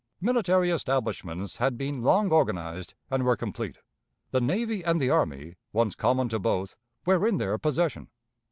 Military establishments had been long organized, and were complete; the navy and the army, once common to both, were in their possession.